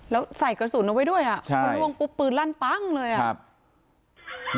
แล้วใส่กระสุนเอาไว้ด้วยอ่ะคนล่วงกุบปืนลั่นปั๊งเลยอ่ะใช่